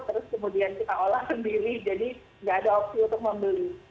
terus kemudian kita olah sendiri jadi nggak ada opsi untuk membeli